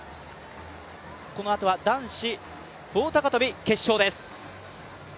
このあとは男子棒高跳決勝です。